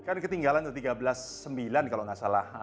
kan ketinggalan tuh tiga belas sembilan kalau nggak salah